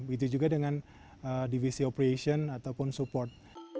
begitu juga dengan divisi operation ataupun support